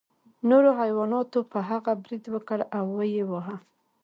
نورو حیواناتو په هغه برید وکړ او ویې واهه.